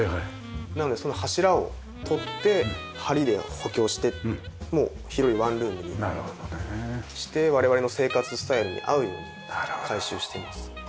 なのでその柱を取って梁で補強して広いワンルームにして我々の生活スタイルに合うように改修しています。